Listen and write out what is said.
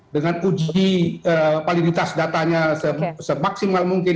dengan uji validitas datanya semaksimal mungkin